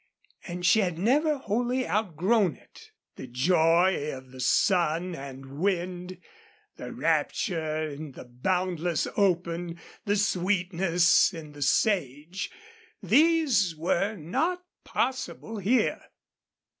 And she had never wholly outgrown it. The joy of the sun and wind, the rapture in the boundless open, the sweetness in the sage these were not possible here.